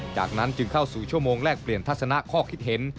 จากนั้นจึงเข้าสู่ชั่วโมงแลกเปลี่ยนทัศนะข้อคิดเห็น